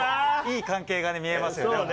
いい関係が見えますよね。